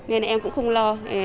nên em cũng không lo